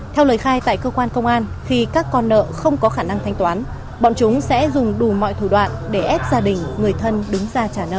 theo lời khai tại cơ quan công an khi các con nợ không có khả năng thanh toán bọn chúng sẽ dùng đủ mọi thủ đoạn để ép gia đình người thân đứng ra trả nợ